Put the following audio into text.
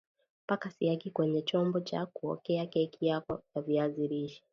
Paka siagi kwenye chombo cha kuokea keki yako ya viazi lishe